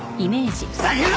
ふざけるな！